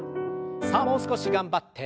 さあもう少し頑張って。